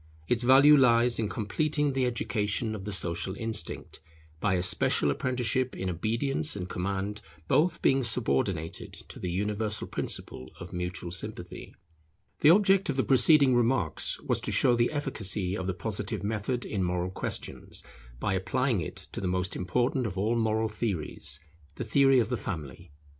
Its value lies in completing the education of the social instinct, by a special apprenticeship in obedience and command, both being subordinated to the universal principle of mutual sympathy. The object of the preceding remarks was to show the efficacy of the Positive method in moral questions by applying it to the most important of all moral theories, the theory of the Family.